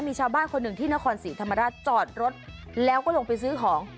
มีชาวบ้านคนหนึ่งที่นครศรีธรรมราชจอดรถแล้วก็ลงไปซื้อของ